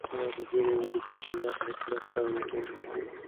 هغه په بېړه ولیکل چې ماته هېڅکله په تمه مه کېږئ.